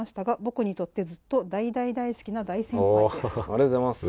ありがとうございます。